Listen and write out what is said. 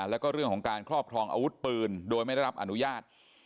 แล้วก็เรื่องของการครอบครองอาวุธปืนโดยไม่ได้รับอนุญาต